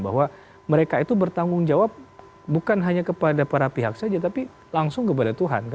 bahwa mereka itu bertanggung jawab bukan hanya kepada para pihak saja tapi langsung kepada tuhan